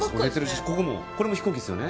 ここもこれも飛行機ですよね？